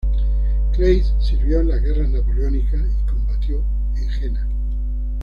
Kleist sirvió en las Guerras Napoleónicas y combatió en Jena.